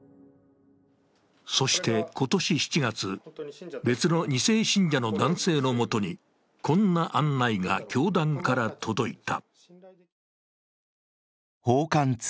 そして今年７月、別の２世信者の男性の元にこんな案内が教団から届いた。